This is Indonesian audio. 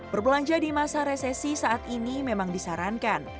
berbelanja di masa resesi saat ini memang disarankan